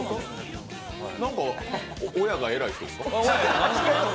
何か親が偉い人ですか？